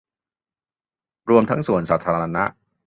รวมทั้งสวนสาธาณะ